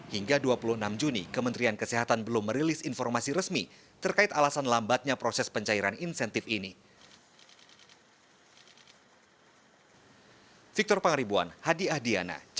hingga dua puluh enam juni kementerian kesehatan belum merilis informasi resmi terkait alasan lambatnya proses pencairan insentif ini